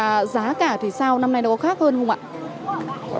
và giá cả thì sao năm nay nó khác hơn không ạ